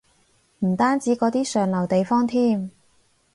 唔單止嗰啲上流地方添